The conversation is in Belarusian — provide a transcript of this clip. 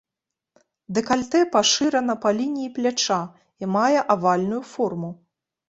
Дэкальтэ пашырана па лініі пляча і мае авальную форму.